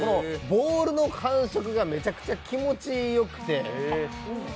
ボールの感触がめちゃくちゃ気持ちよくて。